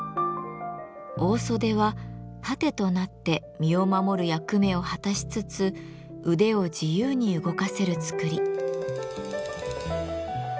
大袖は盾となって身を守る役目を果たしつつ腕を自由に動かせる作り。